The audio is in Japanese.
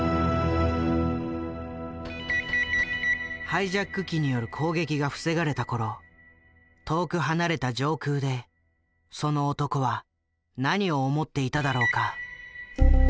ハイジャック機による攻撃が防がれた頃遠く離れた上空でその男は何を思っていただろうか。